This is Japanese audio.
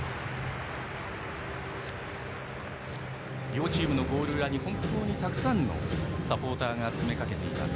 両チームのゴール裏には本当にたくさんのサポーターが詰め掛けています。